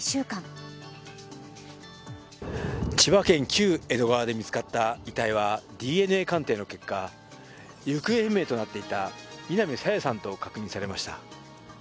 旧江戸川で見つかった遺体はＤＮＡ鑑定の結果、行方不明となっていた南朝芽さんと確認されました。